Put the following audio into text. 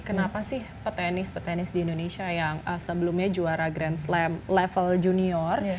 kenapa sih petenis petenis di indonesia yang sebelumnya juara grand slam level junior